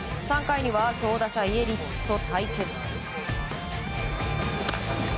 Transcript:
３回には、強打者イエリッチと対決。